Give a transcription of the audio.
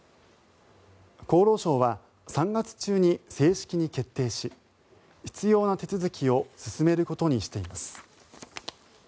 厚労省は３月中に正式に決定し必要な手続きを進めることにしています。